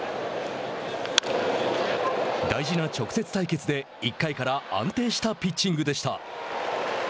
大事な直接対決で、１回から安定したピッチングでした。